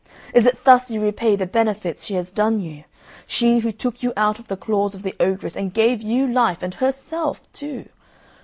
Is it thus you repay the benefits she has done you: she who took you out of the claws of the ogress and gave you life and herself too?